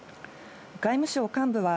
外務省幹部は、